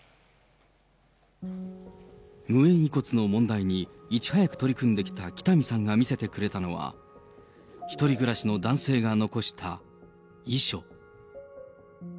無縁遺骨の問題にいち早く取り組んできた北見さんが見せてくれたのは、１人暮らしの男性が残した遺書。